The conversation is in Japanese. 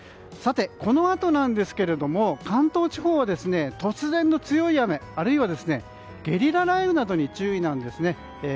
このあと関東地方は突然の強い雨あるいはゲリラ雷雨などに注意なんですね。